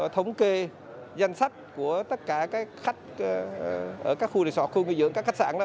thống kê danh sách của tất cả các khách ở các khu lịch sọ khu nghỉ dưỡng các khách sạn đó